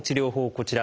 こちら。